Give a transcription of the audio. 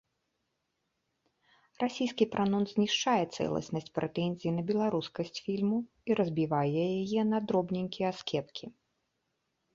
Расійскі пранонс знішчае цэласнасць прэтэнзій на беларускасць фільму і разбівае яе на дробненькія аскепкі.